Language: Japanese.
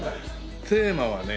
テーマはね